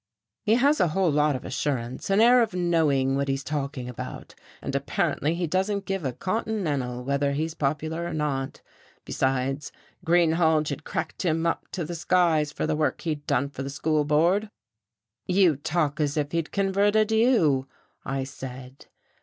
He has a whole lot of assurance, an air of knowing what he's talking about, and apparently he doesn't give a continental whether he's popular or not. Besides, Greenhalge had cracked him up to the skies for the work he'd done for the school board." "You talk as if he'd converted you," I said.